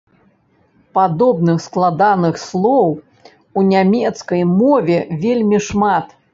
Падобных складаных слоў у нямецкай мове вельмі шмат.